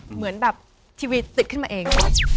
เหมือนแบบทีวีติดขึ้นมาเอง